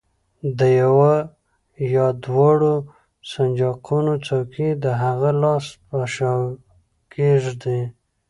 د یوه یا دواړو سنجاقونو څوکې د هغه لاس په شا کېږدئ.